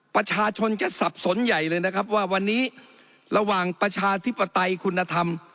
ประชาชนจะสับสนใหญ่เลยนะครับว่าวันนี้ระหว่างประชาธิปไตยคุณธรรม